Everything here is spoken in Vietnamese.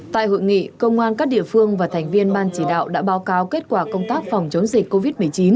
tại hội nghị công an các địa phương và thành viên ban chỉ đạo đã báo cáo kết quả công tác phòng chống dịch covid một mươi chín